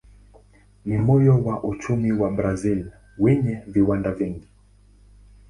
Ni moyo wa uchumi wa Brazil wenye viwanda vingi.